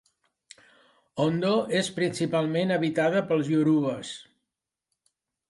Ondo és principalment habitada pels iorubes.